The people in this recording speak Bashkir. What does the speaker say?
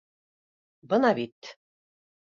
— Бына бит.